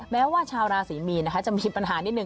แม้ว่าชาวราศรีมีนนะคะจะมีปัญหานิดนึ